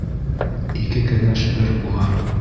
Ике кәңәш бер була